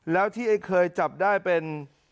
แล้วที่ไอ้เคยจับได้เป็น